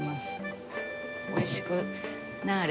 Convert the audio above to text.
おいしくなれ！